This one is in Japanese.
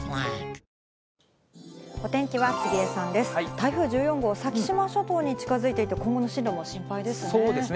台風１４号、先島諸島に近づいていて、今後の進路が心配ですね。